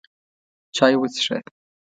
چای وڅښه!